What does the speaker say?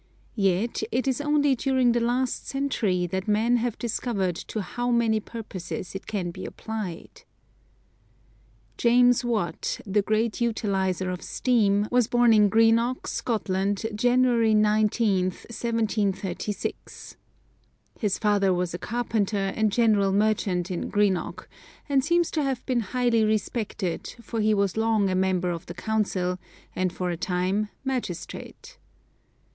Yet, it is only during the last century that men have discovered to how many purposes it can be applied. James Watt, the great utilizer of steam, was born in Greenock, Scotland, January 19th, 1736. His father was a carpenter and general merchant in Greenock, and seems to have been highly respected, for he was long a member of the council, and for a time, magistrate.